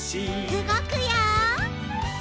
うごくよ！